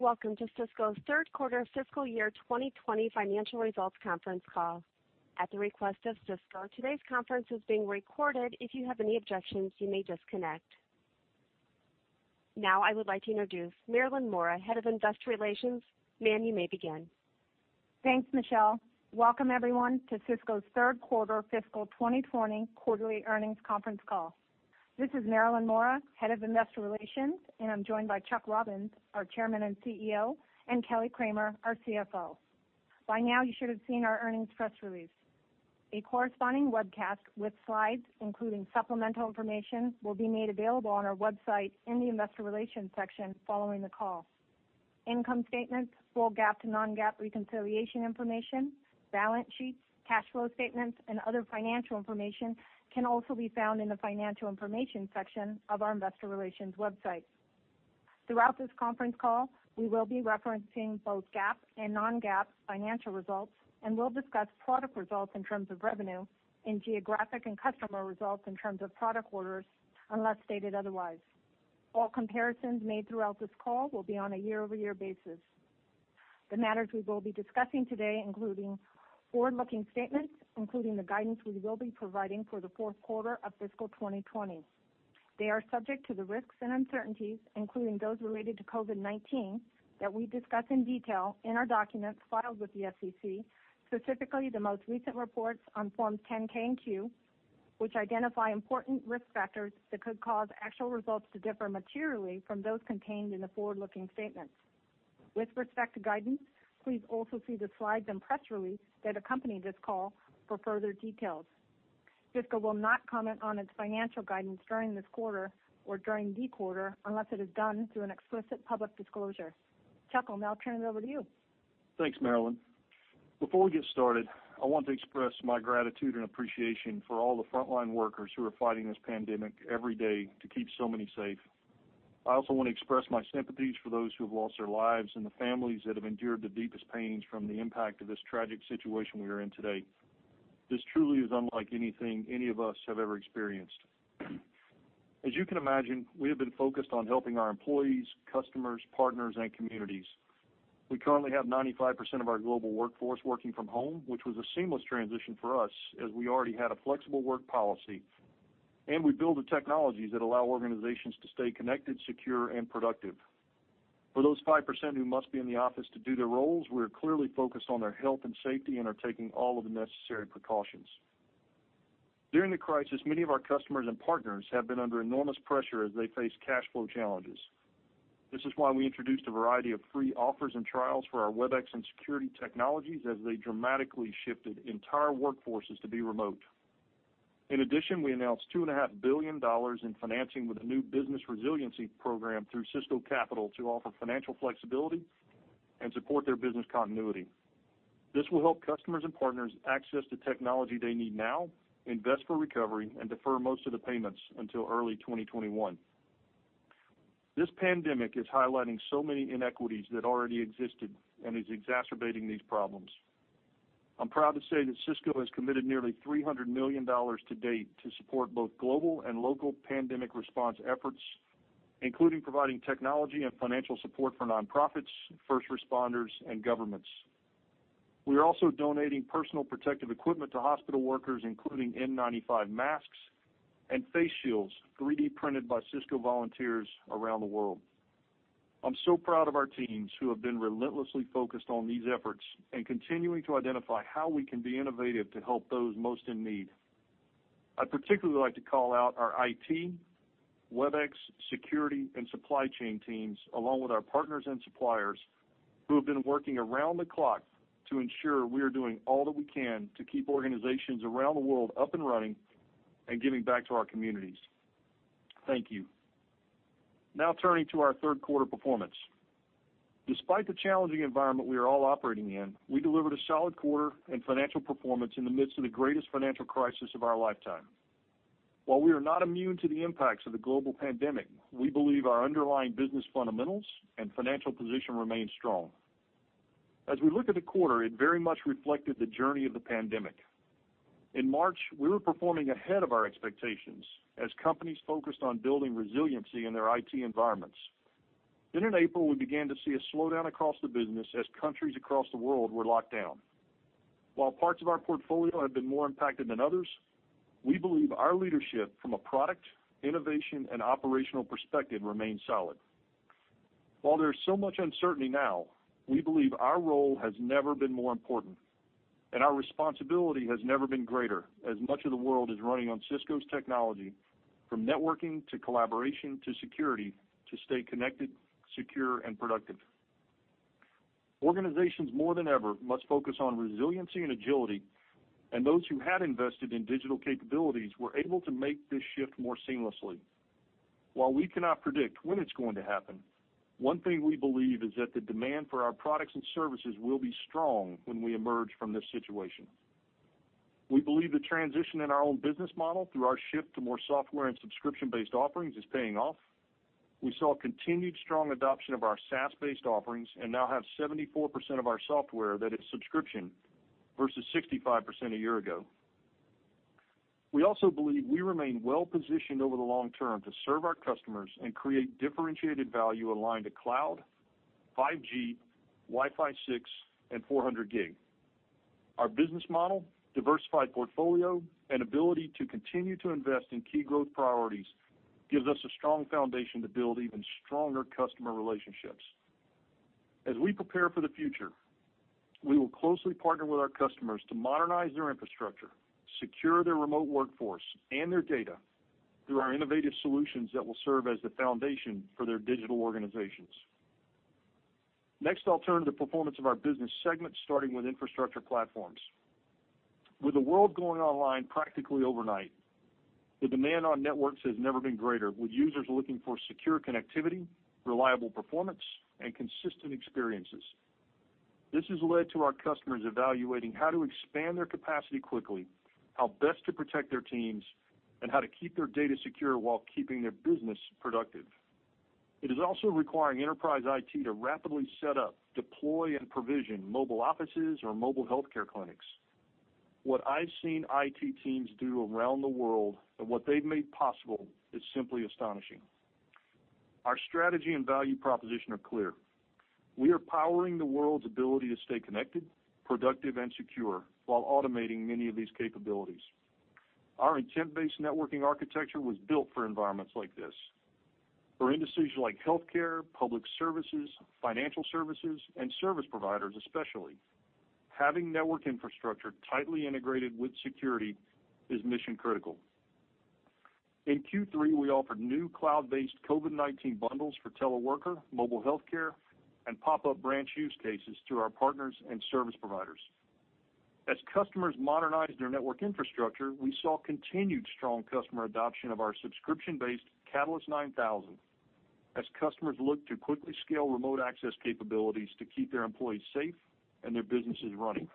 Welcome to Cisco's third quarter fiscal year 2020 financial results conference call. Now I would like to introduce Marilyn Mora, Head of Investor Relations. Ma'am, you may begin. Thanks, Michelle. Welcome everyone to Cisco's third quarter fiscal 2020 quarterly earnings conference call. This is Marilyn Mora, Head of Investor Relations, and I'm joined by Chuck Robbins, our Chairman and CEO, and Kelly Kramer, our CFO. By now, you should have seen our earnings press release. A corresponding webcast with slides, including supplemental information, will be made available on our website in the Investor Relations section following the call. Income statements, full GAAP to non-GAAP reconciliation information, balance sheets, cash flow statements, and other financial information can also be found in the financial information section of our Investor Relations website. Throughout this conference call, we will be referencing both GAAP and non-GAAP financial results and will discuss product results in terms of revenue and geographic and customer results in terms of product orders unless stated otherwise. All comparisons made throughout this call will be on a year-over-year basis. The matters we will be discussing today including forward-looking statements, including the guidance we will be providing for the fourth quarter of fiscal 2020. They are subject to the risks and uncertainties, including those related to COVID-19, that we discuss in detail in our documents filed with the SEC, specifically the most recent reports on Forms 10-K and 10-Q, which identify important risk factors that could cause actual results to differ materially from those contained in the forward-looking statements. With respect to guidance, please also see the slides and press release that accompany this call for further details. Cisco will not comment on its financial guidance during this quarter or during the quarter unless it is done through an explicit public disclosure. Chuck, I'll now turn it over to you. Thanks, Marilyn. Before we get started, I want to express my gratitude and appreciation for all the frontline workers who are fighting this pandemic every day to keep so many safe. I also want to express my sympathies for those who have lost their lives and the families that have endured the deepest pains from the impact of this tragic situation we are in today. This truly is unlike anything any of us have ever experienced. As you can imagine, we have been focused on helping our employees, customers, partners, and communities. We currently have 95% of our global workforce working from home, which was a seamless transition for us as we already had a flexible work policy, and we build the technologies that allow organizations to stay connected, secure and productive. For those 5% who must be in the office to do their roles, we are clearly focused on their health and safety and are taking all of the necessary precautions. During the crisis, many of our customers and partners have been under enormous pressure as they face cash flow challenges. This is why we introduced a variety of free offers and trials for our Webex and security technologies as they dramatically shifted entire workforces to be remote. In addition, we announced $2.5 billion in financing with a new business resiliency program through Cisco Capital to offer financial flexibility and support their business continuity. This will help customers and partners access the technology they need now, invest for recovery, and defer most of the payments until early 2021. This pandemic is highlighting so many inequities that already existed and is exacerbating these problems. I'm proud to say that Cisco has committed nearly $300 million to date to support both global and local pandemic response efforts, including providing technology and financial support for nonprofits, first responders, and governments. We are also donating personal protective equipment to hospital workers, including N95 masks and face shields, 3D printed by Cisco volunteers around the world. I'm so proud of our teams who have been relentlessly focused on these efforts and continuing to identify how we can be innovative to help those most in need. I'd particularly like to call out our IT, Webex, security, and supply chain teams, along with our partners and suppliers, who have been working around the clock to ensure we are doing all that we can to keep organizations around the world up and running and giving back to our communities. Thank you. Now turning to our third quarter performance. Despite the challenging environment we are all operating in, we delivered a solid quarter and financial performance in the midst of the greatest financial crisis of our lifetime. While we are not immune to the impacts of the global pandemic, we believe our underlying business fundamentals and financial position remain strong. As we look at the quarter, it very much reflected the journey of the pandemic. In March, we were performing ahead of our expectations as companies focused on building resiliency in their IT environments. In April, we began to see a slowdown across the business as countries across the world were locked down. While parts of our portfolio have been more impacted than others, we believe our leadership from a product, innovation, and operational perspective remains solid. While there's so much uncertainty now, we believe our role has never been more important, and our responsibility has never been greater, as much of the world is running on Cisco's technology, from networking to collaboration to security to stay connected, secure, and productive. Organizations, more than ever, must focus on resiliency and agility, and those who had invested in digital capabilities were able to make this shift more seamlessly. While we cannot predict when it's going to happen, one thing we believe is that the demand for our products and services will be strong when we emerge from this situation. We believe the transition in our own business model through our shift to more software and subscription-based offerings is paying off. We saw continued strong adoption of our SaaS-based offerings and now have 74% of our software that is subscription versus 65% a year ago. We also believe we remain well-positioned over the long term to serve our customers and create differentiated value aligned to cloud, 5G, Wi-Fi 6, and 400G. Our business model, diversified portfolio, and ability to continue to invest in key growth priorities gives us a strong foundation to build even stronger customer relationships. As we prepare for the future, we will closely partner with our customers to modernize their infrastructure, secure their remote workforce and their data through our innovative solutions that will serve as the foundation for their digital organizations. Next, I'll turn to the performance of our business segment, starting with infrastructure platforms. With the world going online practically overnight, the demand on networks has never been greater, with users looking for secure connectivity, reliable performance, and consistent experiences. This has led to our customers evaluating how to expand their capacity quickly, how best to protect their teams, and how to keep their data secure while keeping their business productive. It is also requiring enterprise IT to rapidly set up, deploy, and provision mobile offices or mobile healthcare clinics. What I've seen IT teams do around the world and what they've made possible is simply astonishing. Our strategy and value proposition are clear. We are powering the world's ability to stay connected, productive, and secure while automating many of these capabilities. Our intent-based networking architecture was built for environments like this. For industries like healthcare, public services, financial services, and service providers especially, having network infrastructure tightly integrated with security is mission-critical. In Q3, we offered new cloud-based COVID-19 bundles for teleworker, mobile healthcare, and pop-up branch use cases through our partners and service providers. As customers modernized their network infrastructure, we saw continued strong customer adoption of our subscription-based Catalyst 9000 as customers look to quickly scale remote access capabilities to keep their employees safe and their businesses running.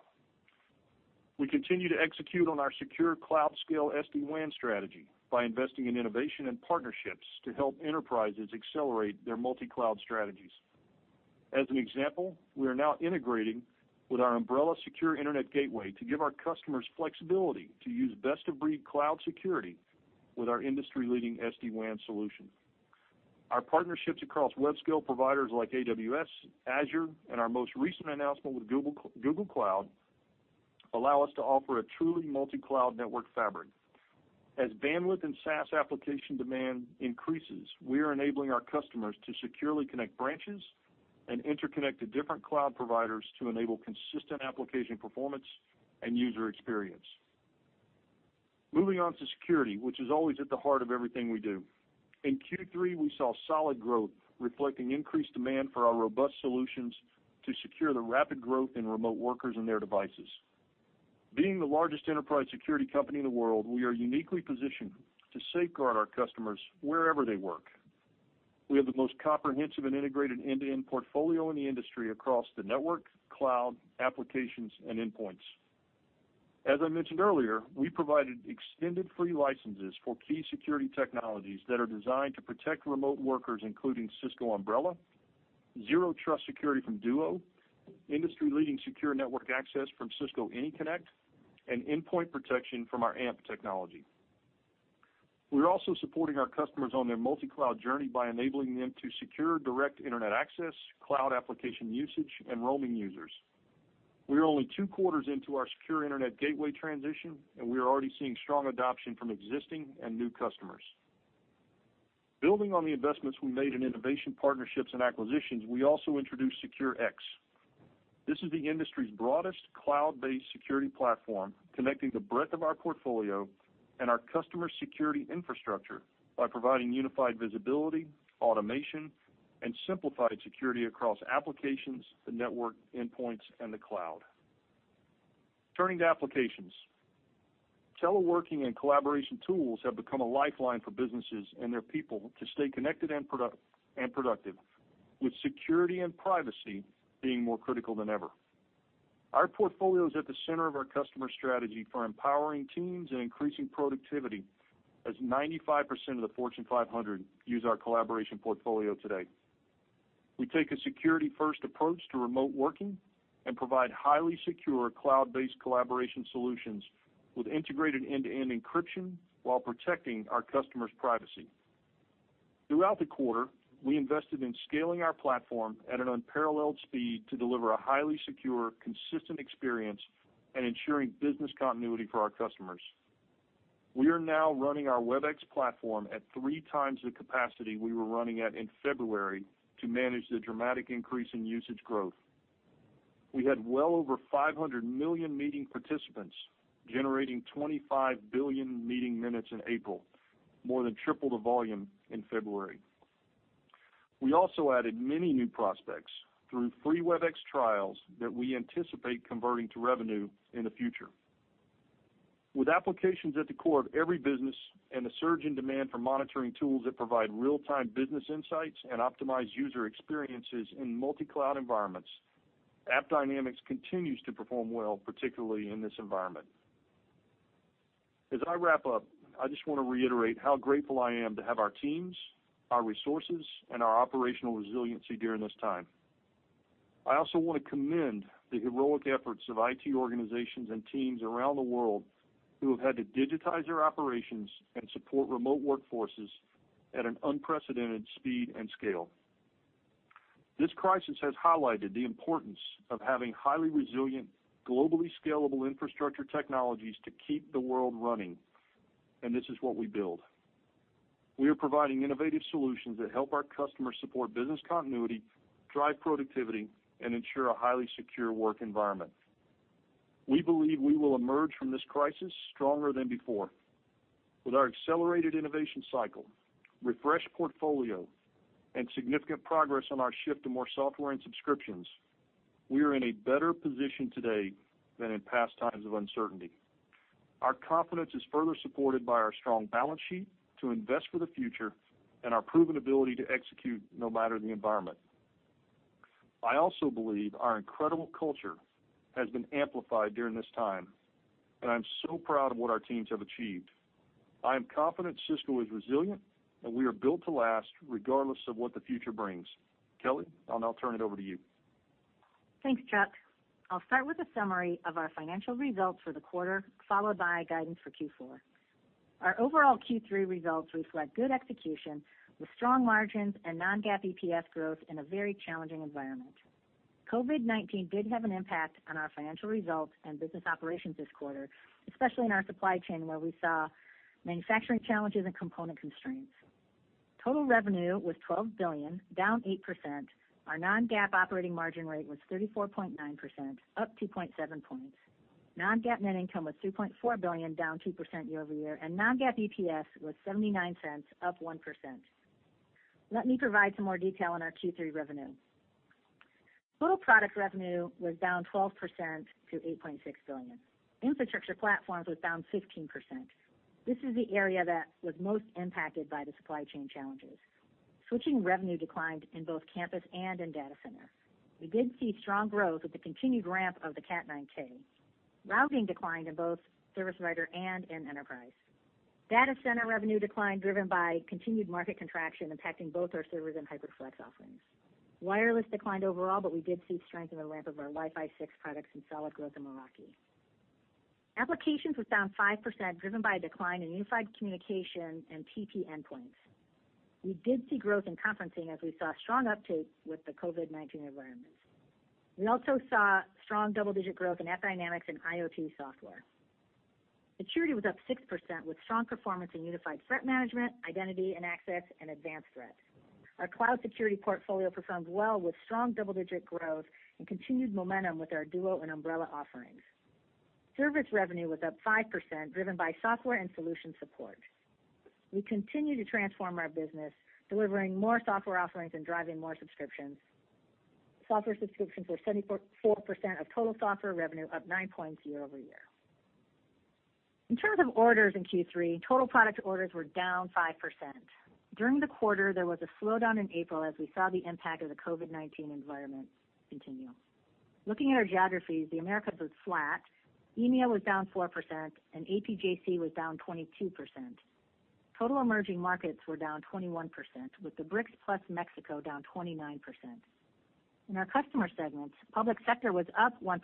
We continue to execute on our secure cloud scale SD-WAN strategy by investing in innovation and partnerships to help enterprises accelerate their multi-cloud strategies. As an example, we are now integrating with our Umbrella Secure Internet Gateway to give our customers flexibility to use best-of-breed cloud security with our industry-leading SD-WAN solution. Our partnerships across web scale providers like AWS, Azure, and our most recent announcement with Google Cloud, allow us to offer a truly multi-cloud network fabric. As bandwidth and SaaS application demand increases, we are enabling our customers to securely connect branches and interconnect to different cloud providers to enable consistent application performance and user experience. Moving on to security, which is always at the heart of everything we do. In Q3, we saw solid growth reflecting increased demand for our robust solutions to secure the rapid growth in remote workers and their devices. Being the largest enterprise security company in the world, we are uniquely positioned to safeguard our customers wherever they work. We have the most comprehensive and integrated end-to-end portfolio in the industry across the network, cloud, applications, and endpoints. As I mentioned earlier, we provided extended free licenses for key security technologies that are designed to protect remote workers, including Cisco Umbrella, Zero Trust security from Duo, industry-leading secure network access from Cisco AnyConnect, and endpoint protection from our AMP for Endpoints. We're also supporting our customers on their multi-cloud journey by enabling them to secure direct internet access, cloud application usage, and roaming users. We are only two quarters into our secure internet gateway transition, and we are already seeing strong adoption from existing and new customers. Building on the investments we made in innovation partnerships and acquisitions, we also introduced SecureX. This is the industry's broadest cloud-based security platform, connecting the breadth of our portfolio and our customer security infrastructure by providing unified visibility, automation, and simplified security across applications, the network, endpoints, and the cloud. Turning to Applications. Teleworking and collaboration tools have become a lifeline for businesses and their people to stay connected and productive, with security and privacy being more critical than ever. Our portfolio is at the center of our customer strategy for empowering teams and increasing productivity as 95% of the Fortune 500 use our collaboration portfolio today. We take a security-first approach to remote working and provide highly secure cloud-based collaboration solutions with integrated end-to-end encryption while protecting our customers' privacy. Throughout the quarter, we invested in scaling our platform at an unparalleled speed to deliver a highly secure, consistent experience and ensuring business continuity for our customers. We are now running our Webex platform at three times the capacity we were running at in February to manage the dramatic increase in usage growth. We had well over 500 million meeting participants generating 25 billion meeting minutes in April, more than triple the volume in February. We also added many new prospects through free Webex trials that we anticipate converting to revenue in the future. With applications at the core of every business and a surge in demand for monitoring tools that provide real-time business insights and optimize user experiences in multi-cloud environments, AppDynamics continues to perform well, particularly in this environment. As I wrap up, I just want to reiterate how grateful I am to have our teams, our resources, and our operational resiliency during this time. I also want to commend the heroic efforts of IT organizations and teams around the world who have had to digitize their operations and support remote workforces at an unprecedented speed and scale. This crisis has highlighted the importance of having highly resilient, globally scalable infrastructure technologies to keep the world running, and this is what we build. We are providing innovative solutions that help our customers support business continuity, drive productivity, and ensure a highly secure work environment. We believe we will emerge from this crisis stronger than before. With our accelerated innovation cycle, refreshed portfolio, and significant progress on our shift to more software and subscriptions, we are in a better position today than in past times of uncertainty. Our confidence is further supported by our strong balance sheet to invest for the future and our proven ability to execute no matter the environment. I also believe our incredible culture has been amplified during this time, and I'm so proud of what our teams have achieved. I am confident Cisco is resilient, and we are built to last regardless of what the future brings. Kelly, I'll now turn it over to you. Thanks, Chuck. I'll start with a summary of our financial results for the quarter, followed by guidance for Q4. Our overall Q3 results reflect good execution with strong margins and non-GAAP EPS growth in a very challenging environment. COVID-19 did have an impact on our financial results and business operations this quarter, especially in our supply chain, where we saw manufacturing challenges and component constraints. Total revenue was $12 billion, down 8%. Our non-GAAP operating margin rate was 34.9%, up 2.7 points. Non-GAAP net income was $3.4 billion, down 2% year-over-year, non-GAAP EPS was $0.79, up 1%. Let me provide some more detail on our Q3 revenue. Total product revenue was down 12% to $8.6 billion. Infrastructure platforms was down 15%. This is the area that was most impacted by the supply chain challenges. Switching revenue declined in both campus and in data center. We did see strong growth with the continued ramp of the Cat9K. Routing declined in both service provider and in enterprise. Data center revenue declined, driven by continued market contraction impacting both our servers and HyperFlex offerings. Wireless declined overall, but we did see strength in the ramp of our Wi-Fi 6 products and solid growth in Meraki. Applications was down 5%, driven by a decline in unified communication and TP endpoints. We did see growth in conferencing as we saw strong uptake with the COVID-19 environment. We also saw strong double-digit growth in AppDynamics and IoT software. Security was up 6% with strong performance in unified threat management, identity and access, and advanced threats. Our cloud security portfolio performed well with strong double-digit growth and continued momentum with our Duo and Umbrella offerings. Service revenue was up 5%, driven by software and solution support. We continue to transform our business, delivering more software offerings and driving more subscriptions. Software subscriptions were 74% of total software revenue, up 9 points year-over-year. In terms of orders in Q3, total product orders were down 5%. During the quarter, there was a slowdown in April as we saw the impact of the COVID-19 environment continue. Looking at our geographies, the Americas was flat, EMEA was down 4%, and APJC was down 22%. Total emerging markets were down 21%, with the BRICS+ Mexico down 29%. In our Customer segments, public sector was up 1%,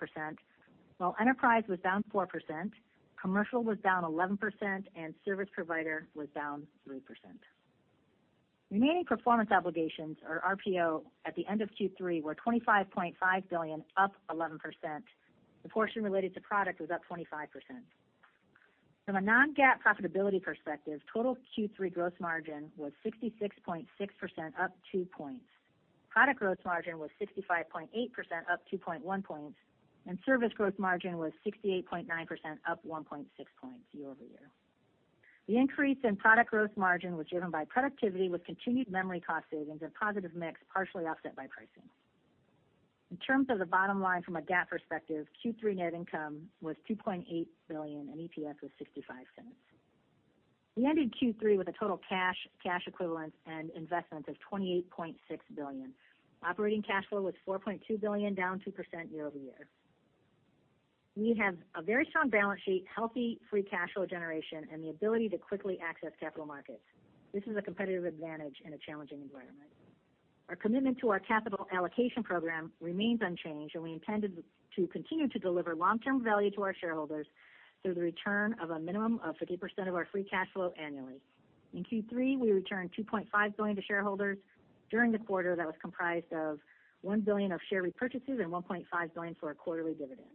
while enterprise was down 4%, commercial was down 11%, and service provider was down 3%. Remaining performance obligations, or RPO, at the end of Q3 were $25.5 billion, up 11%. The portion related to product was up 25%. From a non-GAAP profitability perspective, total Q3 gross margin was 66.6%, up 2 points. Product gross margin was 65.8%, up 2.1 points, and service gross margin was 68.9%, up 1.6 points year-over-year. The increase in product gross margin was driven by productivity with continued memory cost savings and positive mix partially offset by pricing. In terms of the bottom line from a GAAP perspective, Q3 net income was $2.8 billion, and EPS was $0.65. We ended Q3 with a total cash equivalents, and investments of $28.6 billion. Operating cash flow was $4.2 billion, down 2% year-over-year. We have a very strong balance sheet, healthy free cash flow generation, and the ability to quickly access capital markets. This is a competitive advantage in a challenging environment. Our commitment to our capital allocation program remains unchanged, and we intend to continue to deliver long-term value to our shareholders through the return of a minimum of 50% of our free cash flow annually. In Q3, we returned $2.5 billion to shareholders. During the quarter, that was comprised of $1 billion of share repurchases and $1.5 billion for our quarterly dividend.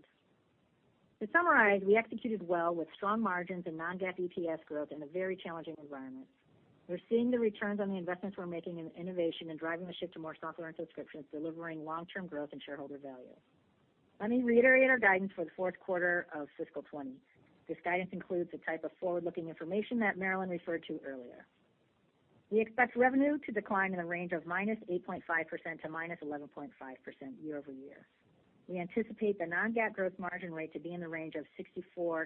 To summarize, we executed well with strong margins and non-GAAP EPS growth in a very challenging environment. We're seeing the returns on the investments we're making in innovation and driving the shift to more software and subscriptions, delivering long-term growth and shareholder value. Let me reiterate our guidance for the fourth quarter of fiscal 2020. This guidance includes the type of forward-looking information that Marilyn referred to earlier. We expect revenue to decline in the range of -8.5% to -11.5% year-over-year. We anticipate the non-GAAP gross margin rate to be in the range of 64%-65%.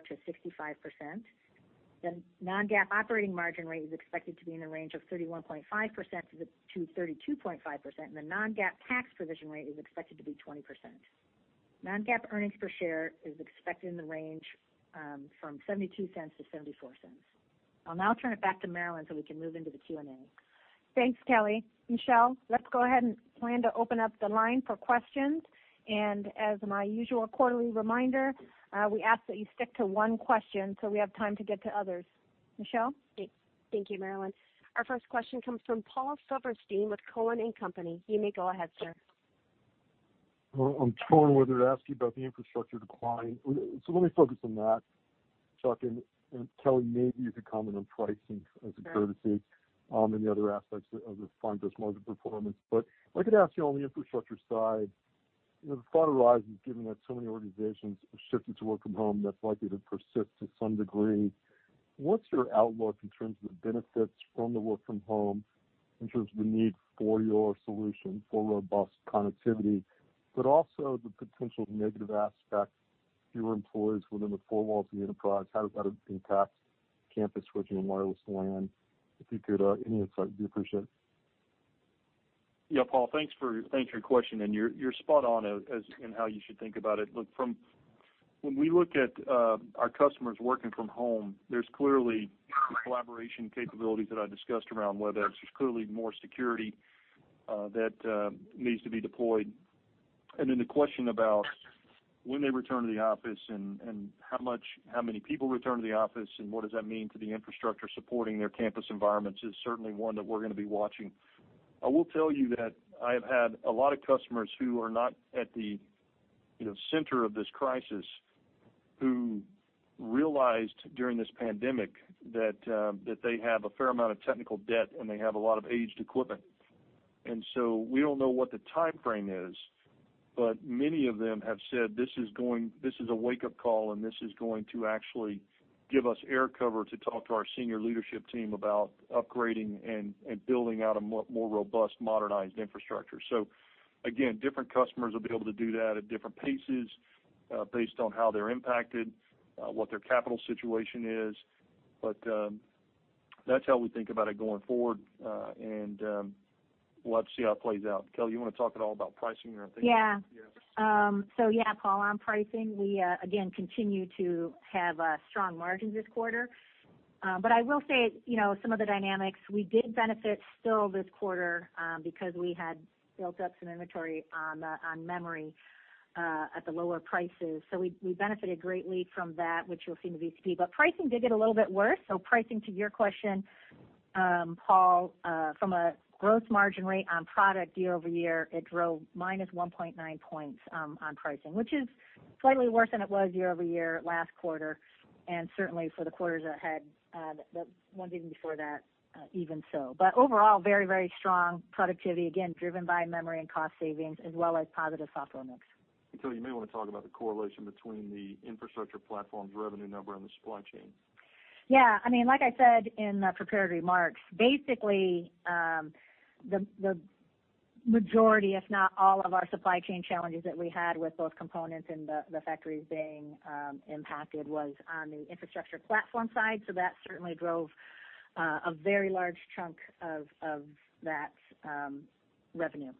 The non-GAAP operating margin rate is expected to be in the range of 31.5%-32.5%, and the non-GAAP tax provision rate is expected to be 20%. Non-GAAP earnings per share is expected in the range from $0.72-$0.74. I'll now turn it back to Marilyn so we can move into the Q&A. Thanks, Kelly. Michelle, let's go ahead and plan to open up the line for questions. As my usual quarterly reminder, we ask that you stick to one question so we have time to get to others. Michelle? Thank you, Marilyn. Our first question comes from Paul Silverstein with Cowen and Company. You may go ahead, sir. Well, I'm torn whether to ask you about the infrastructure decline. Let me focus on that, Chuck, and Kelly, maybe you could comment on pricing as a courtesy. Sure. The other aspects of the fund, just market performance. If I could ask you on the infrastructure side, you know, the thought arises, given that so many organizations have shifted to work from home, that's likely to persist to some degree. What's your outlook in terms of the benefits from the work from home, in terms of the need for your solution for robust connectivity, but also the potential negative aspect, fewer employees within the four walls of the enterprise, how does that impact campus switching and wireless LAN? If you could, any insight would be appreciated. Yeah, Paul, thanks for your question, you're spot on as, in how you should think about it. Look, when we look at our customers working from home, there's clearly some collaboration capabilities that I discussed around Webex. There's clearly more security that needs to be deployed. Then the question about when they return to the office and how many people return to the office, and what does that mean to the infrastructure supporting their campus environments is certainly one that we're gonna be watching. I will tell you that I have had a lot of customers who are not at the, you know, center of this crisis who realized during this pandemic that they have a fair amount of technical debt, and they have a lot of aged equipment. We don't know what the timeframe is, but many of them have said, "This is a wake-up call, and this is going to actually give us air cover to talk to our senior leadership team about upgrading and building out a more robust, modernized infrastructure." Again, different customers will be able to do that at different paces, based on how they're impacted, what their capital situation is. That's how we think about it going forward, and we'll have to see how it plays out. Kelly, you wanna talk at all about pricing? Yeah. Yeah. Yeah, Paul, on pricing, we again, continue to have strong margins this quarter. I will say, you know, some of the dynamics, we did benefit still this quarter because we had built up some inventory on the, on memory at the lower prices. We benefited greatly from that, which you'll see in the [vPC]. Pricing did get a little bit worse. Pricing, to your question, Paul, from a gross margin rate on product year-over-year, it drove minus 1.9 points on pricing, which is slightly worse than it was year-over-year last quarter and certainly for the quarters ahead, the ones even before that, even so. Overall, very strong productivity, again, driven by memory and cost savings as well as positive software mix. Kelly, you may wanna talk about the correlation between the Infrastructure platform's revenue number and the supply chain. Yeah. I mean, like I said in the prepared remarks, basically, the majority, if not all of our supply chain challenges that we had with both components and the factories being impacted was on the Infrastructure platform side. That certainly drove a very large chunk of that revenue.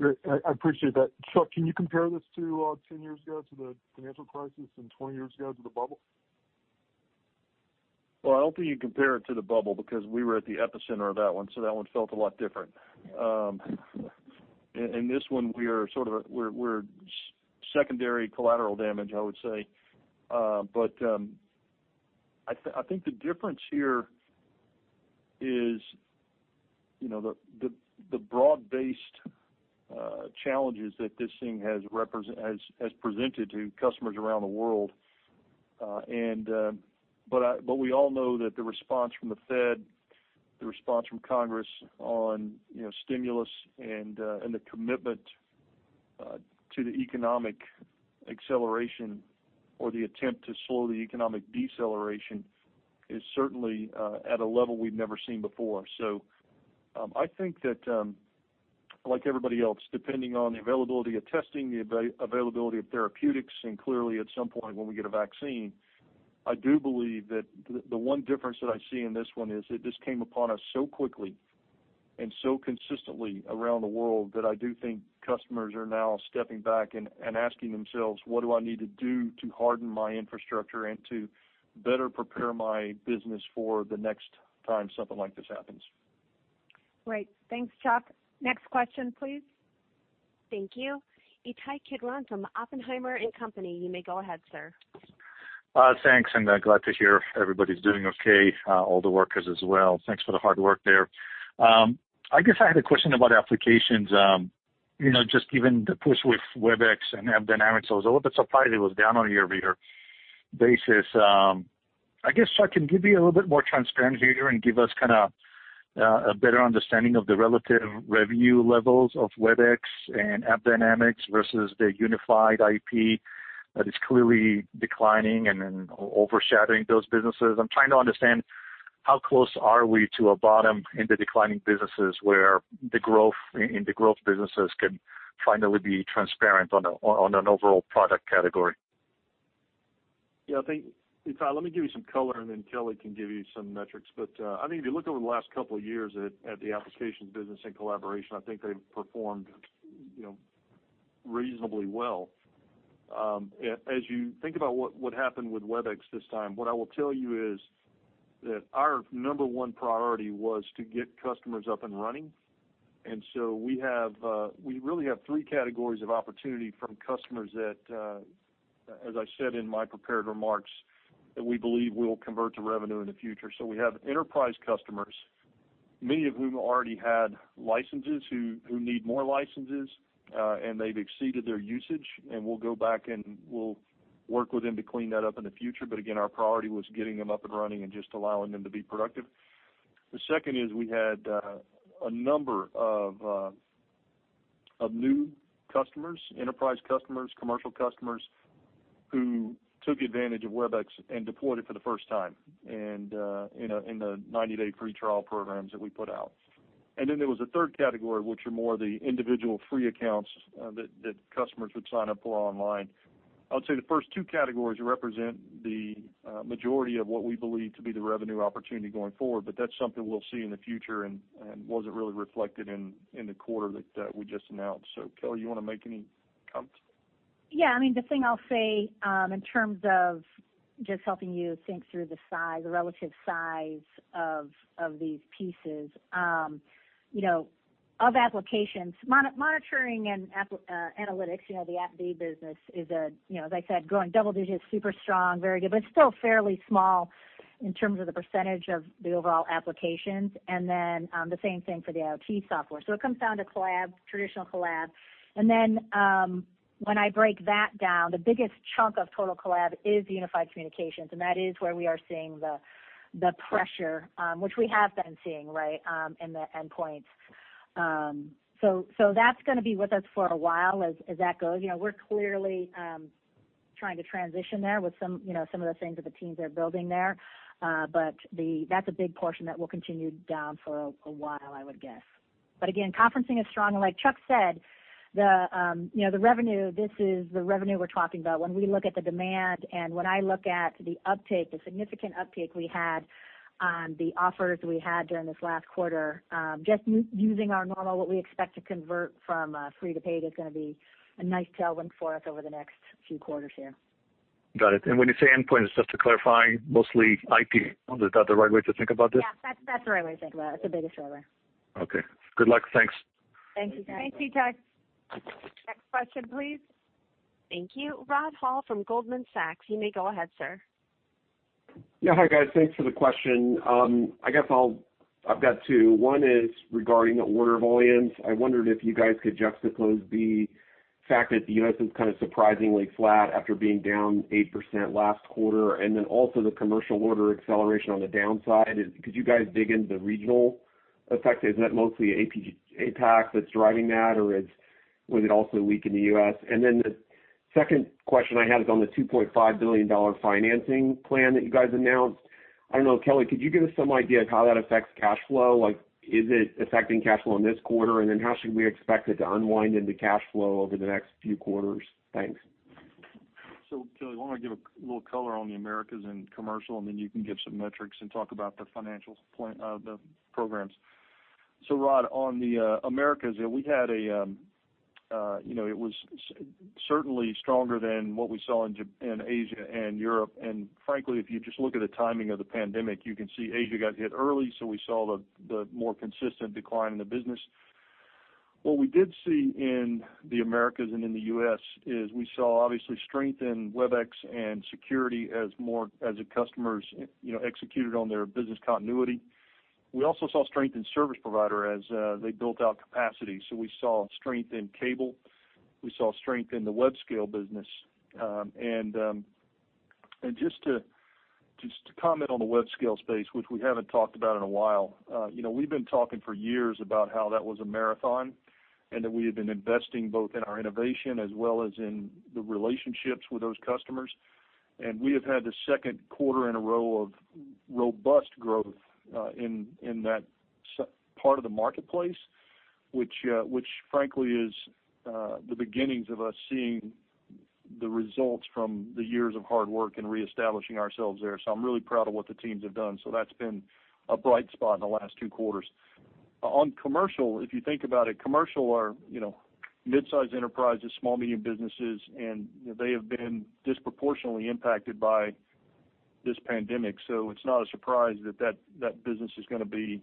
Great. I appreciate that. Chuck, can you compare this to 10 years ago to the financial crisis and 20 years ago to the bubble? I don't think you can compare it to the bubble because we were at the epicenter of that one, so that one felt a lot different. In this one, we are sort of secondary collateral damage, I would say. I think the difference here is, you know, the broad-based challenges that this thing has presented to customers around the world. We all know that the response from the Fed, the response from Congress on, you know, stimulus and the commitment to the economic acceleration or the attempt to slow the economic deceleration is certainly at a level we've never seen before. I think that, like everybody else, depending on the availability of testing, the availability of therapeutics, and clearly at some point when we get a vaccine, I do believe that the one difference that I see in this one is that this came upon us so quickly and so consistently around the world that I do think customers are now stepping back and asking themselves, "What do I need to do to harden my infrastructure and to better prepare my business for the next time something like this happens? Great. Thanks, Chuck. Next question, please. Thank you. Ittai Kidron from Oppenheimer & Co. You may go ahead, sir. Thanks, glad to hear everybody's doing okay, all the workers as well. Thanks for the hard work there. I guess I had a question about applications. You know, just given the push with Webex and AppDynamics, I was a little bit surprised it was down on a year-over-year basis. I guess, Chuck, can you give me a little bit more transparency here and give us kinda a better understanding of the relative revenue levels of Webex and AppDynamics versus the unified IP that is clearly declining and overshadowing those businesses? I'm trying to understand how close are we to a bottom in the declining businesses where the growth in the growth businesses can finally be transparent on an overall product category? Ittai, let me give you some color and then Kelly can give you some metrics. I think if you look over the last couple of years at the applications business and collaboration, I think they've performed, you know, reasonably well. As you think about what happened with Webex this time, what I will tell you is that our number one priority was to get customers up and running. We have, we really have three categories of opportunity from customers that, as I said in my prepared remarks, that we believe will convert to revenue in the future. We have enterprise customers, many of whom already had licenses, who need more licenses, and they've exceeded their usage, and we'll go back and we'll work with them to clean that up in the future. Again, our priority was getting them up and running and just allowing them to be productive. The second is we had a number of new customers, enterprise customers, commercial customers, who took advantage of Webex and deployed it for the first time in a, in the 90-day free trial programs that we put out. Then there was a third category, which are more the individual free accounts that customers would sign up for online. I would say the first two categories represent the majority of what we believe to be the revenue opportunity going forward, but that's something we'll see in the future and wasn't really reflected in the quarter that we just announced. Kelly, you wanna make any comments? I mean, the thing I'll say, in terms of just helping you think through the size, the relative size of these pieces, you know, of applications, monitoring and analytics, you know, the AppD business is a, you know, as I said, growing double digits, super strong, very good, but it's still fairly small in terms of the percentage of the overall applications. The same thing for the IoT software. It comes down to collab, traditional collab. When I break that down, the biggest chunk of total collab is unified communications, and that is where we are seeing the pressure, which we have been seeing, right, in the endpoints. So that's gonna be with us for a while as that goes. You know, we're clearly trying to transition there with some, you know, some of the things that the teams are building there. That's a big portion that will continue down for a while, I would guess. Again, conferencing is strong. Like Chuck said, the, you know, the revenue, this is the revenue we're talking about. When we look at the demand and when I look at the uptake, the significant uptake we had on the offers we had during this last quarter, just using our normal, what we expect to convert from free to paid, is gonna be a nice tailwind for us over the next few quarters here. Got it. When you say endpoint, it's just to clarify, mostly IP. Is that the right way to think about this? Yeah, that's the right way to think about it. It's the biggest driver. Okay. Good luck. Thanks. Thank you, Ittai. Thank you, Ittai. Next question, please. Thank you. Rod Hall from Goldman Sachs. You may go ahead, sir. Yeah. Hi, guys. Thanks for the question. I guess I've got two. One is regarding order volumes. I wondered if you guys could juxtapose the fact that the U.S. is kind of surprisingly flat after being down 8% last quarter, also the commercial order acceleration on the downside. Could you guys dig into the regional effects? Isn't that mostly APAC that's driving that, or was it also weak in the U.S.? The second question I had is on the $2.5 billion financing plan that you guys announced. I don't know, Kelly, could you give us some idea of how that affects cash flow? Like, is it affecting cash flow in this quarter? How should we expect it to unwind into cash flow over the next few quarters? Thanks. Kelly, why don't I give a little color on the Americas and commercial, and then you can give some metrics and talk about the financial point of the programs. Rod, on the Americas, you know, we had a, you know, it was certainly stronger than what we saw in Asia and Europe. Frankly, if you just look at the timing of the pandemic, you can see Asia got hit early, so we saw the more consistent decline in the business. What we did see in the Americas and in the U.S. is we saw obviously strength in Webex and security as the customers, you know, executed on their business continuity. We also saw strength in service provider as they built out capacity. We saw strength in cable. We saw strength in the web scale business. Just to, just to comment on the web scale space, which we haven't talked about in a while, you know, we've been talking for years about how that was a marathon and that we had been investing both in our innovation as well as in the relationships with those customers. We have had the second quarter in a row of robust growth, in that part of the marketplace, which frankly is, the beginnings of us seeing the results from the years of hard work and reestablishing ourselves there. I'm really proud of what the teams have done. That's been a bright spot in the last two quarters. On commercial, if you think about it, commercial are, you know, mid-size enterprises, small-medium businesses, and they have been disproportionately impacted by this pandemic. It's not a surprise that business is gonna be,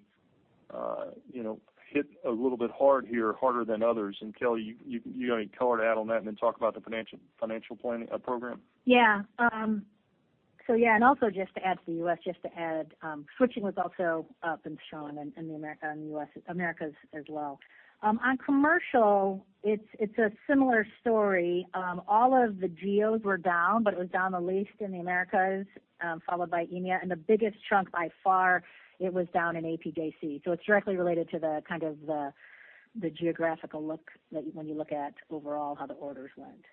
you know, hit a little bit hard here, harder than others. Kelly, you wanna color add on that and then talk about the financial planning program? Also just to add to the U.S., switching was also up and shown in the Americas, in the U.S., Americas as well. On commercial, it's a similar story. All of the geos were down, but it was down the least in the Americas, followed by EMEA. The biggest chunk by far, it was down in APJC. It's directly related to the kind of the geographical look that when you look at overall how the orders went.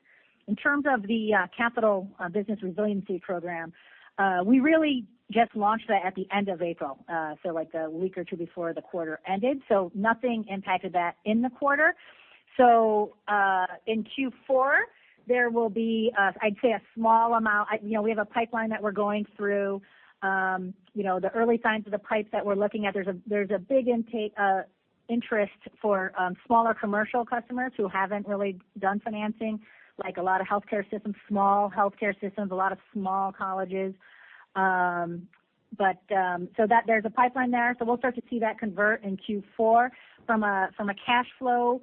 In terms of the Cisco Capital Business Resiliency Program, we really just launched that at the end of April, so like a week or two before the quarter ended. Nothing impacted that in the quarter. In Q4, there will be, I'd say a small amount. You know, we have a pipeline that we're going through. You know, the early signs of the pipes that we're looking at, there's a big interest for smaller commercial customers who haven't really done financing, like a lot of healthcare systems, small healthcare systems, a lot of small colleges. So that there's a pipeline there. We'll start to see that convert in Q4. From a cash flow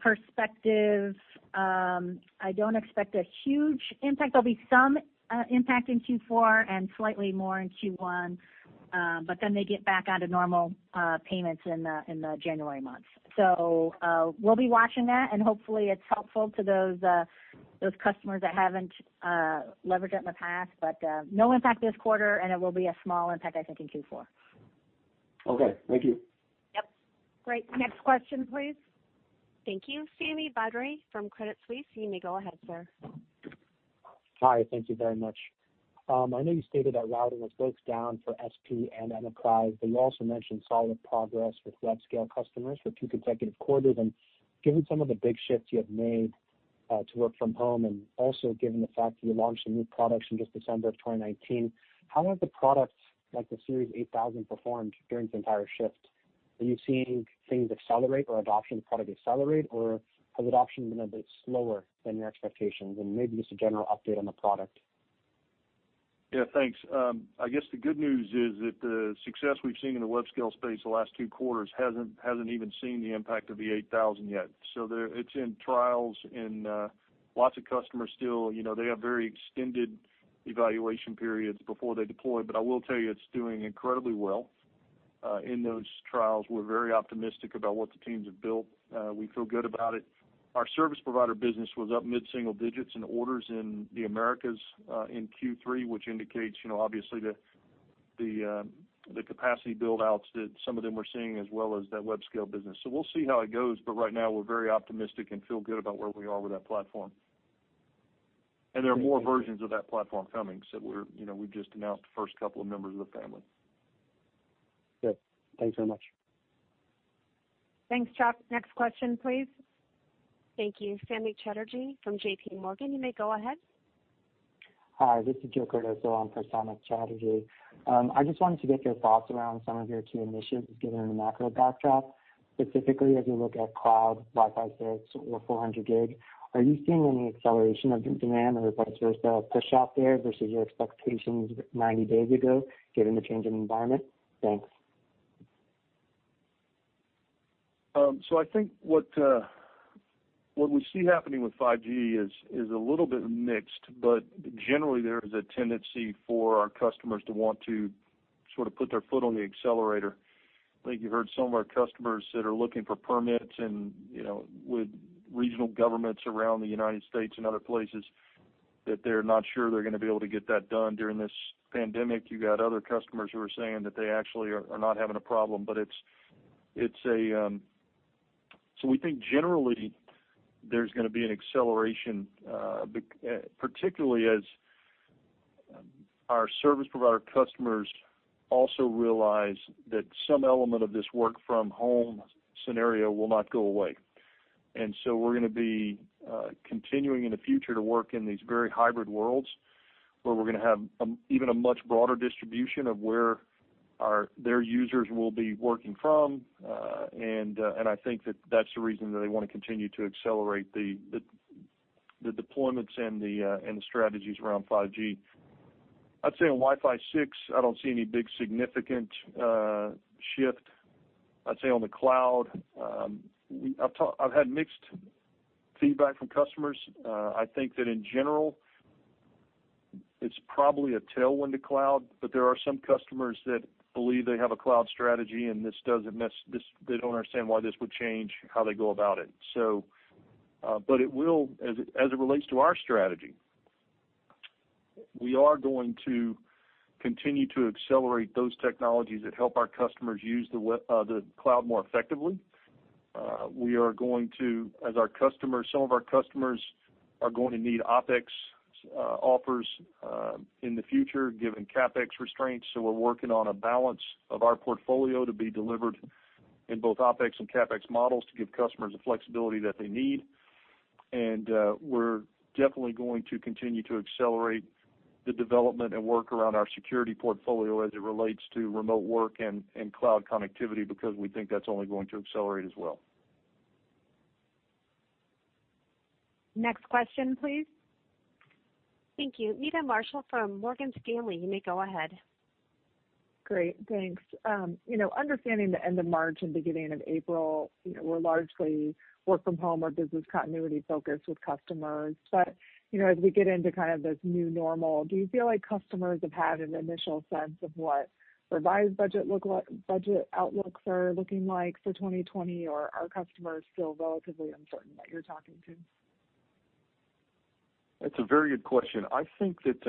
perspective, I don't expect a huge impact. There'll be some impact in Q4 and slightly more in Q1. They get back onto normal payments in the January months. We'll be watching that, and hopefully it's helpful to those customers that haven't leveraged it in the past. No impact this quarter, and it will be a small impact, I think, in Q4. Okay. Thank you. Yep. Great. Next question, please. Thank you. Sami Badri from Credit Suisse. You may go ahead, sir. Hi, thank you very much. I know you stated that routing was both down for SP and enterprise, but you also mentioned solid progress with web scale customers for two consecutive quarters. Given some of the big shifts you have made, to work from home and also given the fact that you launched some new products in just December of 2019, how have the products, like the Cisco 8000 Series, performed during this entire shift? Are you seeing things accelerate or adoption of the product accelerate, or has adoption been a bit slower than your expectations? Maybe just a general update on the product. I guess the good news is that the success we've seen in the web scale space the last two quarters hasn't even seen the impact of the 8000 yet. It's in trials and lots of customers still, you know, they have very extended evaluation periods before they deploy. I will tell you it's doing incredibly well in those trials. We're very optimistic about what the teams have built. We feel good about it. Our service provider business was up mid-single digits in orders in the Americas in Q3, which indicates, you know, obviously the capacity build-outs that some of them were seeing, as well as that web scale business. We'll see how it goes, but right now we're very optimistic and feel good about where we are with that platform. Thank you. There are more versions of that platform coming, so we're, you know, we've just announced the first couple of members of the family. Good. Thanks very much. Thanks, Chuck. Next question, please. Thank you. Samik Chatterjee from JPMorgan. You may go ahead. Hi, this is Joe Cardoso on for Samik Chatterjee. I just wanted to get your thoughts around some of your key initiatives given the macro backdrop. Specifically, as you look at cloud, Wi-Fi 6 or 400G, are you seeing any acceleration of the demand or vice versa, a push off there versus your expectations 90 days ago, given the change in environment? Thanks. I think what we see happening with 5G is a little bit mixed, but generally there is a tendency for our customers to want to sort of put their foot on the accelerator. I think you've heard some of our customers that are looking for permits and, you know, with regional governments around the United States and other places, that they're not sure they're gonna be able to get that done during this pandemic. You got other customers who are saying that they actually are not having a problem. We think generally there's gonna be an acceleration, particularly as our service provider customers also realize that some element of this work from home scenario will not go away. We're going to be continuing in the future to work in these very hybrid worlds, where we're going to have even a much broader distribution of where their users will be working from. I think that that's the reason that they want to continue to accelerate the deployments and the strategies around 5G. I'd say on Wi-Fi 6, I don't see any big significant shift. I'd say on the cloud, I've had mixed feedback from customers. I think that in general it's probably a tailwind to cloud, but there are some customers that believe they have a cloud strategy, and they don't understand why this would change how they go about it. But it will, as it, as it relates to our strategy, we are going to continue to accelerate those technologies that help our customers use the cloud more effectively. We are going to, as our customers, some of our customers are going to need OpEx offers in the future, given CapEx restraints. We're working on a balance of our portfolio to be delivered in both OpEx and CapEx models to give customers the flexibility that they need. We're definitely going to continue to accelerate the development and work around our security portfolio as it relates to remote work and cloud connectivity, because we think that's only going to accelerate as well. Next question, please. Thank you. Meta Marshall from Morgan Stanley. You may go ahead. Great, thanks. You know, understanding the end of March and beginning of April, you know, were largely work from home or business continuity focused with customers. You know, as we get into kind of this new normal, do you feel like customers have had an initial sense of what revised budget outlooks are looking like for 2020? Or are customers still relatively uncertain that you're talking to? That's a very good question. I think that,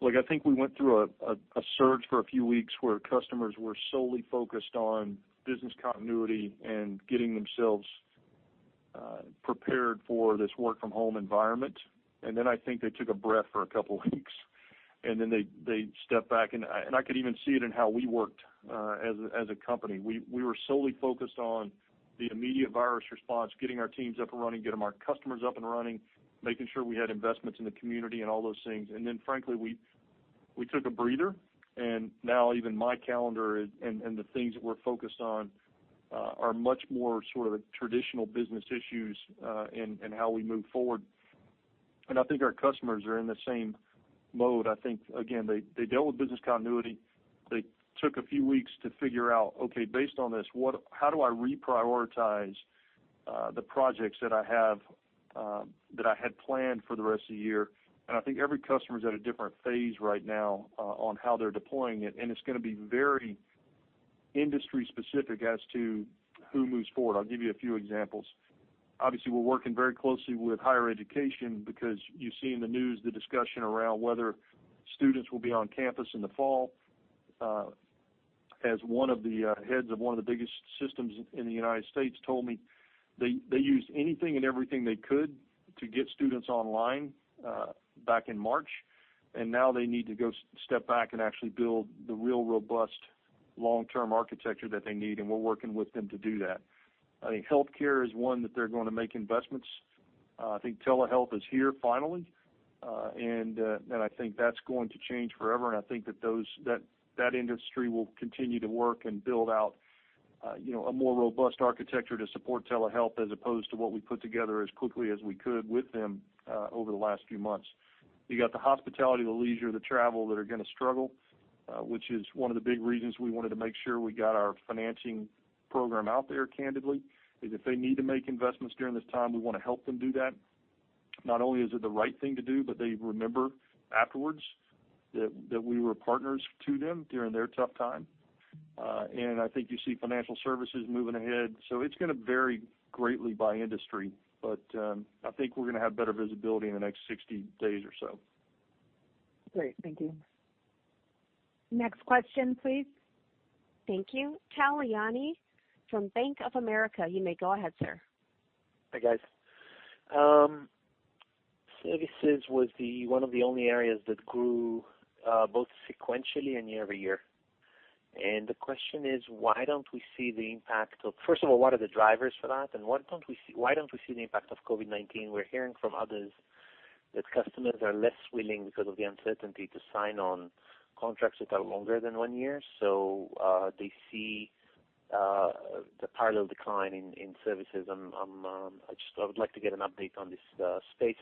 look, I think we went through a surge for a few weeks where customers were solely focused on business continuity and getting themselves prepared for this work from home environment. I think they took a breath for a couple of weeks. They, they step back and I, and I could even see it in how we worked as a company. We, we were solely focused on the immediate virus response, getting our teams up and running, getting our customers up and running, making sure we had investments in the community and all those things. Frankly, we took a breather. Now even my calendar and the things that we're focused on are much more sort of traditional business issues in how we move forward. I think our customers are in the same mode. I think again, they dealt with business continuity. They took a few weeks to figure out, okay, based on this, how do I reprioritize the projects that I have that I had planned for the rest of the year? I think every customer is at a different phase right now on how they're deploying it, and it's gonna be very industry specific as to who moves forward. I'll give you a few examples. Obviously, we're working very closely with higher education because you see in the news the discussion around whether students will be on campus in the fall. As one of the heads of one of the biggest systems in the U.S. told me, they used anything and everything they could to get students online back in March. Now they need to go step back and actually build the real robust long-term architecture that they need, and we're working with them to do that. I think healthcare is one that they're gonna make investments. I think telehealth is here finally. I think that's going to change forever. I think that that industry will continue to work and build out, you know, a more robust architecture to support telehealth as opposed to what we put together as quickly as we could with them, over the last few months. You got the hospitality, the leisure, the travel that are gonna struggle, which is one of the big reasons we wanted to make sure we got our financing program out there candidly. If they need to make investments during this time, we wanna help them do that. Not only is it the right thing to do, but they remember afterwards that we were partners to them during their tough time. I think you see financial services moving ahead. It's gonna vary greatly by industry, but I think we're gonna have better visibility in the next 60 days or so. Great. Thank you. Next question, please. Thank you. Tal Liani from Bank of America. You may go ahead, sir. Hi, guys. Services was one of the only areas that grew both sequentially and year-over-year. The question is, first of all, what are the drivers for that, and why don't we see the impact of COVID-19? We're hearing from others that customers are less willing because of the uncertainty to sign on contracts that are longer than one year. They see the parallel decline in services. I would like to get an update on this space.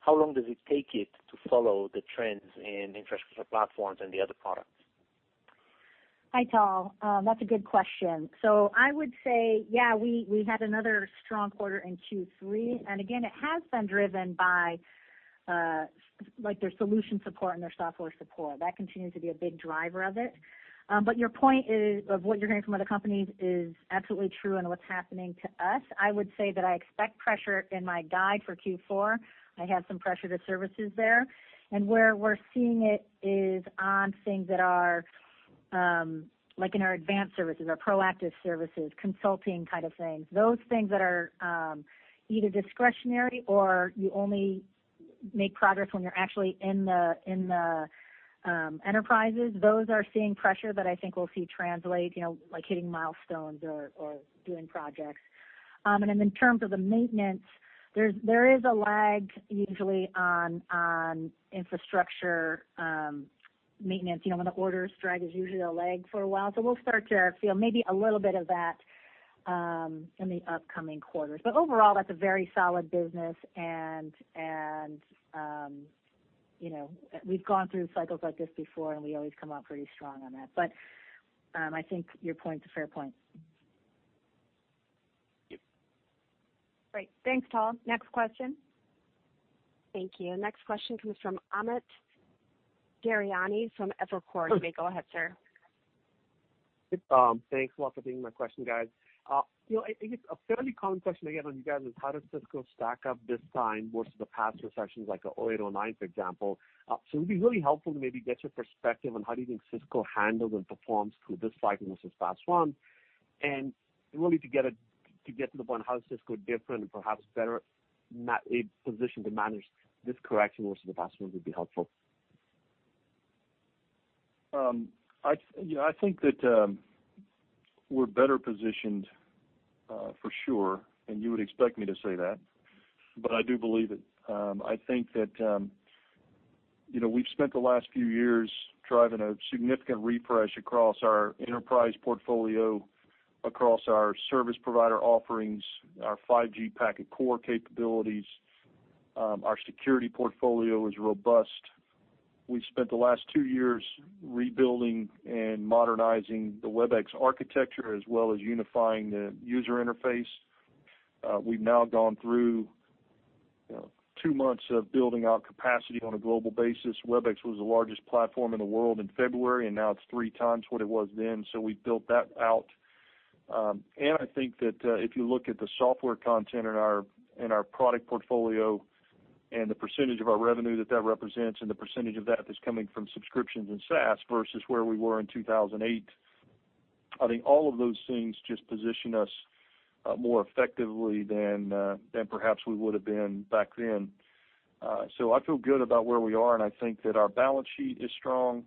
How long does it take it to follow the trends in infrastructure platforms and the other products? Hi, Tal. That's a good question. I would say, yeah, we had another strong quarter in Q3. Again, it has been driven by, like, their solution support and their software support. That continues to be a big driver of it. Your point is, of what you're hearing from other companies, is absolutely true and what's happening to us. I would say that I expect pressure in my guide for Q4. I have some pressure to services there. Where we're seeing it is on things that are, like in our advanced services, our proactive services, consulting kind of things. Those things that are, either discretionary or you only make progress when you're actually in the enterprises. Those are seeing pressure that I think we'll see translate, you know, like hitting milestones or doing projects. And then in terms of the maintenance, there is a lag usually on infrastructure maintenance. You know, when the orders drag, there's usually a lag for a while. We'll start to feel maybe a little bit of that in the upcoming quarters. Overall, that's a very solid business and, you know, we've gone through cycles like this before, and we always come out pretty strong on that. I think your point is a fair point. Yep. Great. Thanks, Tal. Next question. Thank you. Next question comes from Amit Daryanani from Evercore. You may go ahead, sir. Thanks a lot for taking my question, guys. You know, I think a fairly common question I get on you guys is how does Cisco stack up this time versus the past recessions like 2008, 2009, for example. It'd be really helpful to maybe get your perspective on how do you think Cisco handles and performs through this cycle versus past one. Really to get to the point, how is Cisco different and perhaps better positioned to manage this correction versus the past ones would be helpful. You know, I think that we're better positioned for sure, and you would expect me to say that, but I do believe it. I think that, you know, we've spent the last few years driving a significant refresh across our enterprise portfolio, across our service provider offerings, our 5G packet core capabilities. Our Security portfolio is robust. We spent the last two years rebuilding and modernizing the Webex architecture, as well as unifying the user interface. We've now gone through, you know, two months of building out capacity on a global basis. Webex was the largest platform in the world in February, and now it's 3x what it was then. We built that out. I think that, if you look at the software content in our product portfolio and the percentage of our revenue that that represents and the percentage of that that's coming from subscriptions and SaaS versus where we were in 2008, I think all of those things just position us more effectively than perhaps we would have been back then. I feel good about where we are, and I think that our balance sheet is strong.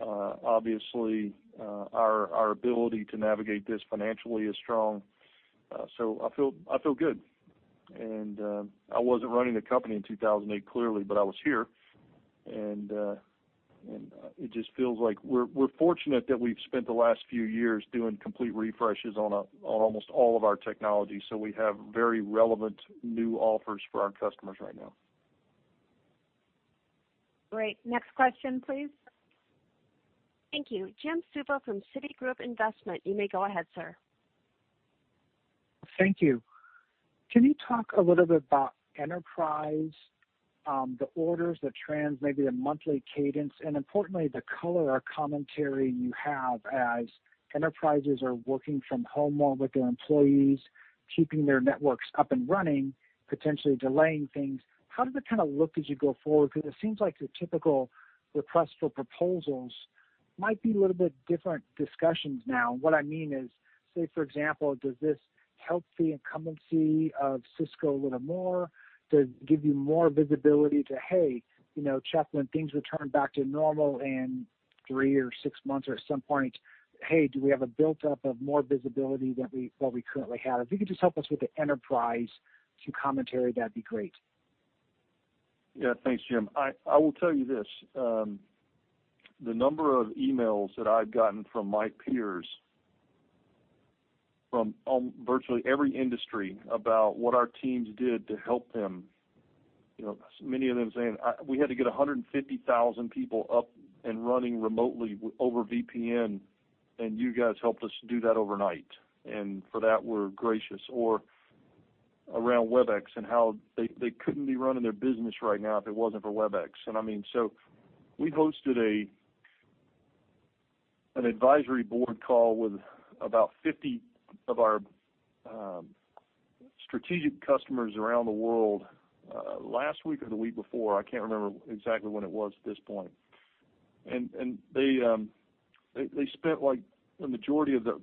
Obviously, our ability to navigate this financially is strong. I feel good. I wasn't running the company in 2008, clearly, but I was here. It just feels like we're fortunate that we've spent the last few years doing complete refreshes on almost all of our technology, so we have very relevant new offers for our customers right now. Great. Next question, please. Thank you. Jim Suva from Citigroup Investment. You may go ahead, sir. Thank you. Can you talk a little bit about enterprise, the orders, the trends, maybe the monthly cadence, importantly, the color or commentary you have as enterprises are working from home more with their employees, keeping their networks up and running, potentially delaying things. How does it kind of look as you go forward? It seems like the typical request for proposals might be a little bit different discussions now. What I mean is, say, for example, does this help the incumbency of Cisco a little more? Does it give you more visibility to, hey, you know, Chuck, when things return back to normal in three or six months or at some point, hey, do we have a built up of more visibility than what we currently have? If you could just help us with the enterprise, some commentary, that would be great. Yeah. Thanks, Jim. I will tell you this, the number of emails that I've gotten from my peers from virtually every industry about what our teams did to help them, you know, many of them saying, "We had to get 150,000 people up and running remotely over VPN, and you guys helped us do that overnight." For that, we're gracious. Around Webex and how they couldn't be running their business right now if it wasn't for Webex. I mean, we hosted an advisory board call with about 50 of our strategic customers around the world, last week or the week before, I can't remember exactly when it was at this point. They spent like the majority of the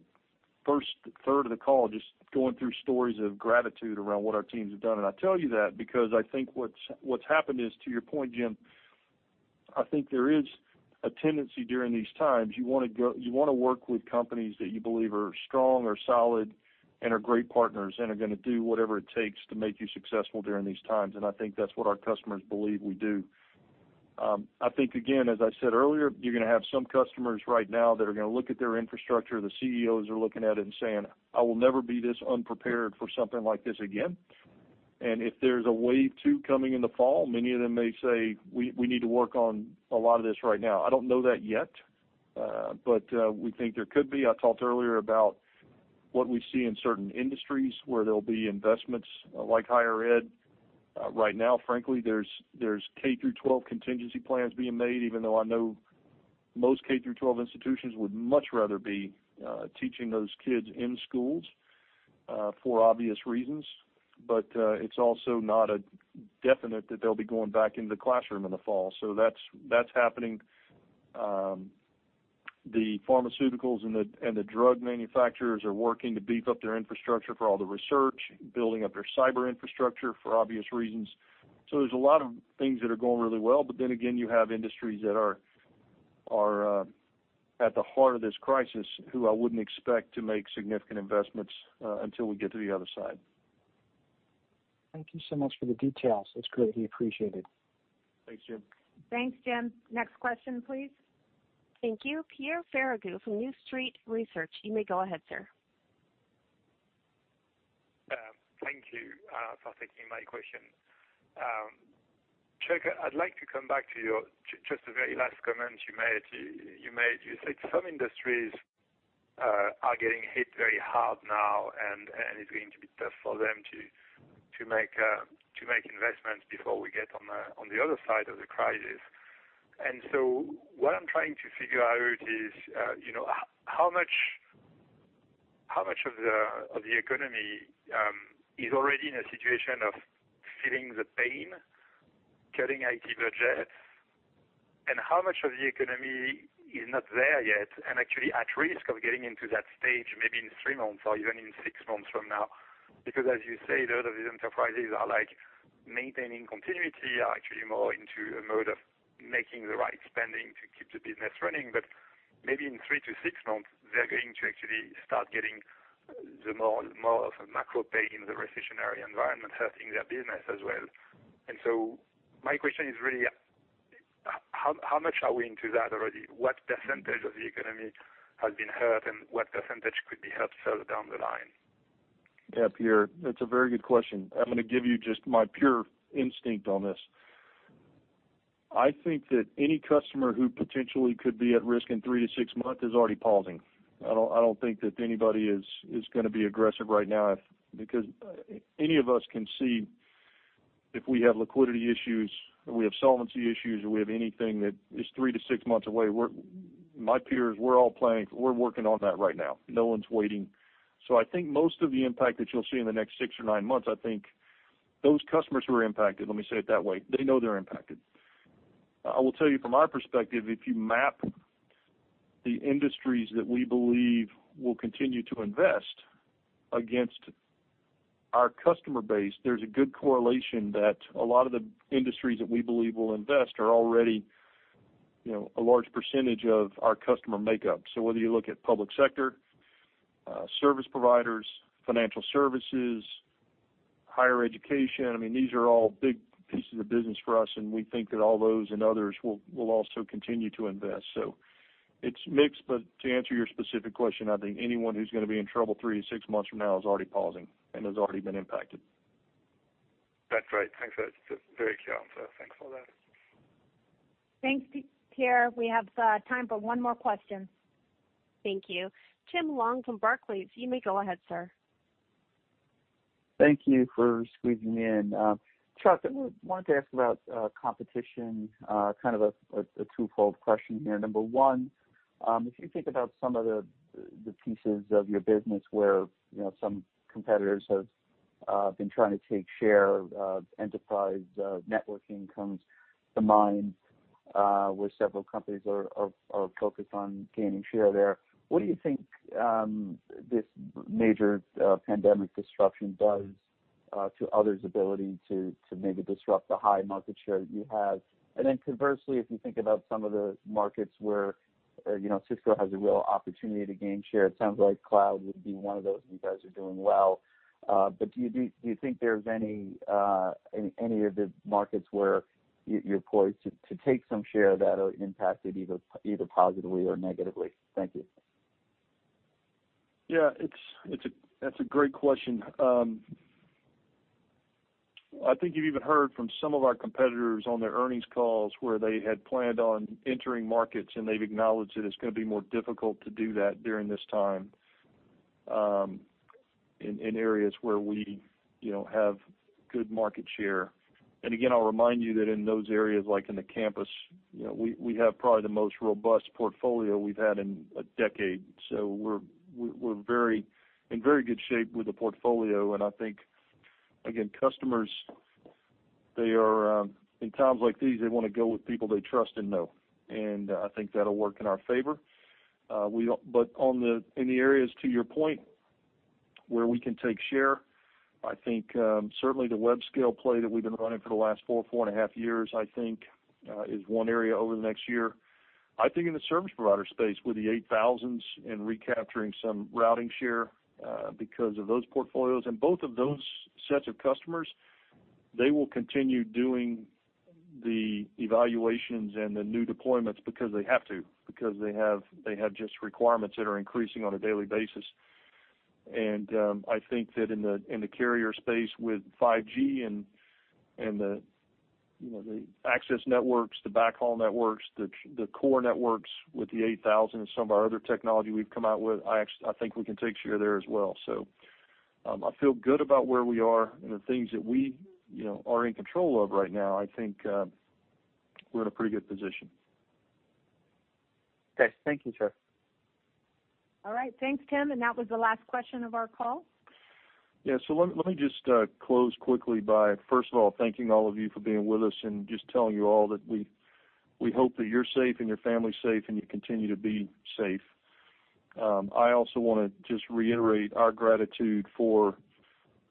first third of the call just going through stories of gratitude around what our teams have done. I tell you that because I think what's happened is, to your point, Jim, I think there is a tendency during these times, you wanna work with companies that you believe are strong or solid and are great partners and are gonna do whatever it takes to make you successful during these times. I think that's what our customers believe we do. I think, again, as I said earlier, you're gonna have some customers right now that are gonna look at their infrastructure, the CEOs are looking at it and saying, "I will never be this unprepared for something like this again." If there's a wave two coming in the fall, many of them may say, "We need to work on a lot of this right now." I don't know that yet, but we think there could be. I talked earlier about what we see in certain industries where there'll be investments like higher ed. Right now, frankly, there's K-12 contingency plans being made, even though I know most K-12 institutions would much rather be teaching those kids in schools for obvious reasons. It's also not a definite that they'll be going back into the classroom in the fall. That's happening. The pharmaceuticals and the drug manufacturers are working to beef up their infrastructure for all the research, building up their cyber infrastructure for obvious reasons. There's a lot of things that are going really well, but then again, you have industries that are at the heart of this crisis who I wouldn't expect to make significant investments until we get to the other side. Thank you so much for the details. It's greatly appreciated. Thanks, Jim. Thanks, Jim. Next question, please. Thank you. Pierre Ferragu from New Street Research. You may go ahead, sir. Thank you for taking my question. Chuck, I'd like to come back to the very last comment you made. You said some industries are getting hit very hard now, and it's going to be tough for them to make investments before we get on the other side of the crisis. What I'm trying to figure out is, you know, how much of the economy is already in a situation of feeling the pain, cutting IT budgets, and how much of the economy is not there yet and actually at risk of getting into that stage maybe in three months or even in six months from now? As you say, a lot of these enterprises are, like, maintaining continuity, are actually more into a mode of making the right spending to keep the business running. Maybe in three to six months, they're going to actually start getting more of a macro pain in the recessionary environment hurting their business as well. My question is really, how much are we into that already? What percentage of the economy has been hurt, and what percentage could be hurt further down the line? Yeah, Pierre, that's a very good question. I'm gonna give you just my pure instinct on this. I think that any customer who potentially could be at risk in three to six months is already pausing. I don't think that anybody is gonna be aggressive right now because any of us can see if we have liquidity issues, or we have solvency issues, or we have anything that is three to six months away, my peers, we're all working on that right now. No one's waiting. I think most of the impact that you'll see in the next six or nine months, I think those customers who are impacted, let me say it that way, they know they're impacted. I will tell you from our perspective, if you map the industries that we believe will continue to invest against our customer base, there's a good correlation that a lot of the industries that we believe will invest are already, you know, a large percentage of our customer makeup. Whether you look at public sector, service providers, financial services, higher education, I mean, these are all big pieces of business for us, and we think that all those and others will also continue to invest. It's mixed, but to answer your specific question, I think anyone who's gonna be in trouble three to six months from now is already pausing and has already been impacted. That's right. Thanks. That's a very clear answer. Thanks for that. Thanks, Pierre. We have time for one more question. Thank you. Tim Long from Barclays, you may go ahead, sir. Thank you for squeezing me in. Chuck, I wanted to ask about competition, kind of a twofold question here. Number one, if you think about some of the pieces of your business where, you know, some competitors have been trying to take share, enterprise networking comes to mind, where several companies are focused on gaining share there. What do you think this major pandemic disruption does to others' ability to maybe disrupt the high market share that you have? Conversely, if you think about some of the markets where, you know, Cisco has a real opportunity to gain share, it sounds like cloud would be one of those you guys are doing well. Do you think there's any of the markets where you're poised to take some share of that or impact it either positively or negatively? Thank you. Yeah, it's a great question. I think you've even heard from some of our competitors on their earnings calls where they had planned on entering markets, and they've acknowledged that it's gonna be more difficult to do that during this time, in areas where we, you know, have good market share. Again, I'll remind you that in those areas, like in the campus, you know, we have probably the most robust portfolio we've had in a decade. We're in very good shape with the portfolio. I think, again, customers, they are, in times like these, they wanna go with people they trust and know. I think that'll work in our favor. In the areas to your point where we can take share, I think, certainly the web scale play that we've been running for the last 4.5 years, I think, is 1 area over the next year. I think in the service provider space with the Cisco 8000 Series and recapturing some routing share because of those portfolios. Both of those sets of customers, they will continue doing the evaluations and the new deployments because they have to, because they have just requirements that are increasing on a daily basis. I think that in the carrier space with 5G and the, you know, the access networks, the backhaul networks, the core networks with the Cisco 8000 Series and some of our other technology we've come out with, I actually think we can take share there as well. I feel good about where we are and the things that we, you know, are in control of right now. I think we're in a pretty good position. Okay. Thank you, Chuck. All right. Thanks, Tim. That was the last question of our call. Let me just close quickly by, first of all, thanking all of you for being with us and just telling you all that we hope that you're safe and your family's safe, and you continue to be safe. I also wanna just reiterate our gratitude for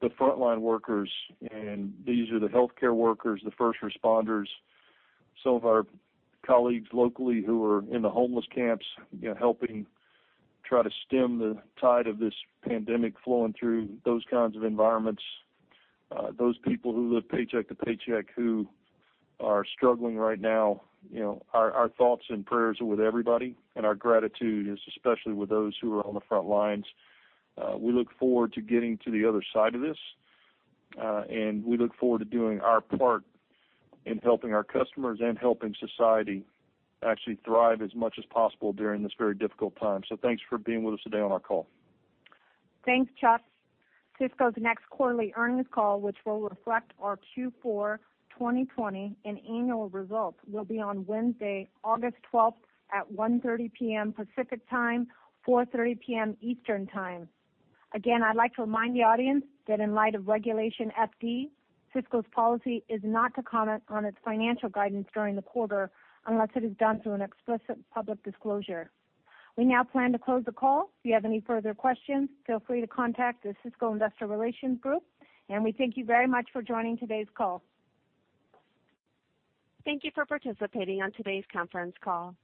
the frontline workers, these are the healthcare workers, the first responders, some of our colleagues locally who are in the homeless camps, you know, helping try to stem the tide of this pandemic flowing through those kinds of environments, those people who live paycheck to paycheck who are struggling right now. You know, our thoughts and prayers are with everybody, our gratitude is especially with those who are on the front line. We look forward to getting to the other side of this, and we look forward to doing our part in helping our customers and helping society actually thrive as much as possible during this very difficult time. Thanks for being with us today on our call. Thanks, Chuck. Cisco's next quarterly earnings call, which will reflect our Q4 2020 and annual results, will be on Wednesday, August 12th at 1:30 P.M. Pacific Time, 4:30 P.M. Eastern Time. Again, I'd like to remind the audience that in light of Regulation FD, Cisco's policy is not to comment on its financial guidance during the quarter unless it is done through an explicit public disclosure. We now plan to close the call. If you have any further questions, feel free to contact the Cisco Investor Relations group. We thank you very much for joining today's call. Thank you for participating on today's conference call.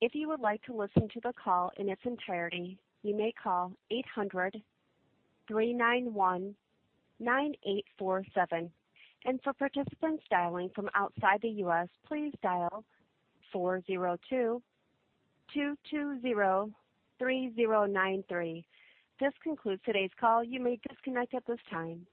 If you would like to listen to the call in its entirety, you may call 800-391-9847. For participants dialing from outside the U.S., please dial 402-220-3093. This concludes today's call. You may disconnect at this time.